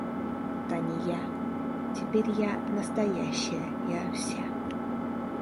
Та не я. Теперь я настоящая, я вся.